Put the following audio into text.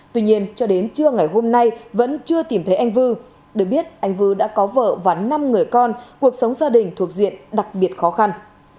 tuy nhiên cho đến trưa ngày hôm nay vẫn chưa tìm thấy anh vư được biết anh vư đã có vợ và năm người con cuộc sống gia đình thuộc diện đặc biệt khó khăn